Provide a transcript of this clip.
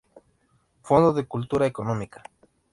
Fondo de Cultura Económica.